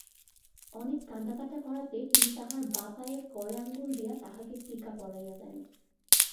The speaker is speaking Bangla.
অনেক কাঁদাকাটা করাতে তিনি তাঁহার বাঁ পায়ের কড়ে আঙুল দিয়া তাঁহাকে টিকা পরাইয়া দেন।